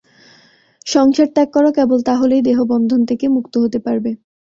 সংসার ত্যাগ কর, কেবল তা হলেই দেহবন্ধন থেকে মুক্ত হতে পারবে।